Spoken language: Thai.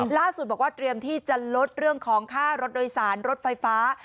ล่าสุดบอกว่าเตรียมที่จะลดเรื่องของค่ารถโดยสารรถไฟฟ้า